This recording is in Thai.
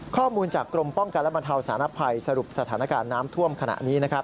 ข้อมูลจากกรมป้องกันและบรรเทาสารภัยสรุปสถานการณ์น้ำท่วมขณะนี้นะครับ